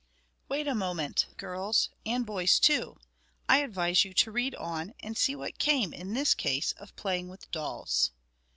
Wait a moment, girls, and boys too! I advise you to read on, and see what came in this case of playing with dolls.